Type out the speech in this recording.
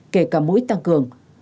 kể cả mũi tăng cường